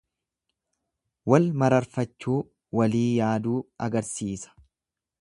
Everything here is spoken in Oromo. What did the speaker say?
Wal mararfachuu, walii yaaduu agarsiisa.